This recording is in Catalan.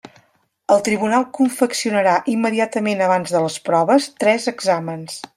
El tribunal confeccionarà, immediatament abans de les proves, tres exàmens.